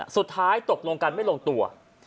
สุดท้ายตกลงกันไม่ลงตัว